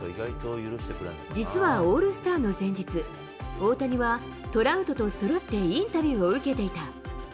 実はオールスターの前日、大谷はトラウトとそろってインタビューを受けていた。